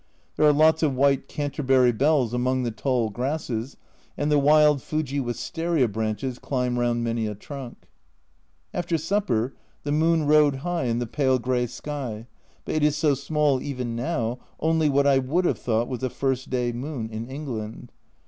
There are lots of white Canterbury bells among the tall grasses, and the wild Fuji wistaria branches climb round many a trunk. After supper the moon rode high in the pale grey sky but it is so small even now, only what I would have thought was a first day moon in England.